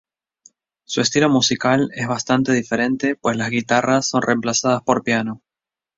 Su estilo musical es bastante diferente pues las guitarras son reemplazadas por piano.